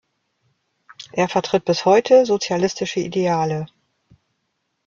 Er vertritt bis heute sozialistische Ideale.